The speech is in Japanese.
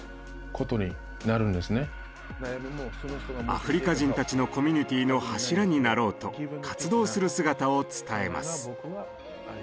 アフリカ人たちのコミュニティーの柱になろうと活動する姿を伝えます。